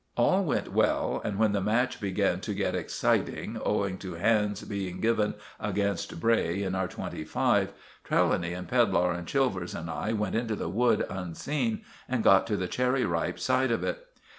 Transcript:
All went well, and when the match began to get exciting owing to hands being given against Bray in our 'twenty five,' Trelawny and Pedlar and Chilvers and I went into the wood unseen and got to the Cherry Ripe side of it.